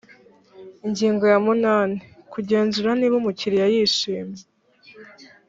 ingingo ya munani kugenzura niba umukiriya yishimye